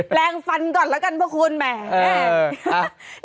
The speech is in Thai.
แปลงฟันก่อนแล้วกันพวกคุณแหม